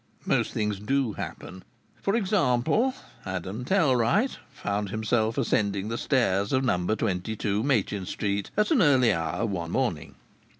Most things do happen. For example, Adam Tellwright found himself ascending the stairs of No. 22 Machin Street at an early hour one morning.